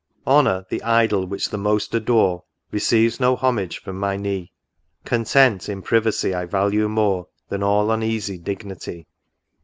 Honour, the idol which the most adore, Receives no homage from my knee ; Content in privacy I value more Than all uneasy dignity.